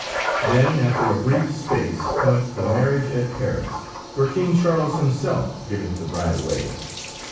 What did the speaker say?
Then after a brief space cometh the marriage at Paris, where King Charles himself giveth the bride away.